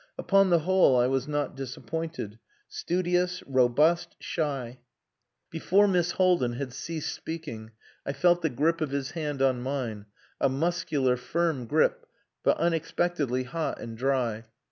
Upon the whole I was not disappointed. Studious robust shy. Before Miss Haldin had ceased speaking I felt the grip of his hand on mine, a muscular, firm grip, but unexpectedly hot and dry.